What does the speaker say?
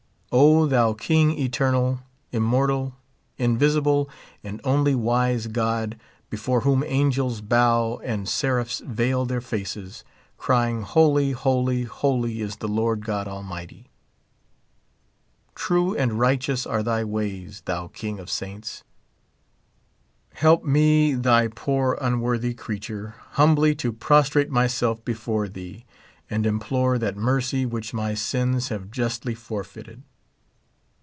O thou King eternal, immoital, invisible, and only wise God, before whom angels bow and seraphs veil their faces, crying, holy, holy, holy is the Lord God Almighty. True and righteous are thy ways, thou King of saints. Help me, thy poor unworthy creature, humbly to prostrate myself before thee, and implore that mercy which my sins have justly forfeited.